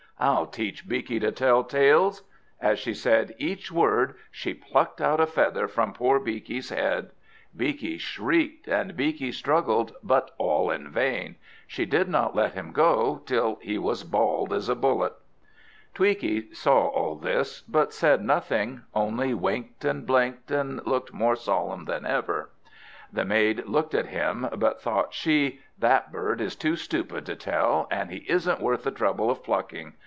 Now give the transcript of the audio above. I'll teach Beaky to tell tales!" As she said each word, she plucked out a feather from poor Beaky's head. Beaky shrieked and Beaky struggled, but all in vain; she did not let him go till he was bald as a bullet. Tweaky saw all this, but said nothing, only winked and blinked, and looked more solemn than ever. The maid looked at him, but thought she, "That bird is too stupid to tell, and he isn't worth the trouble of plucking."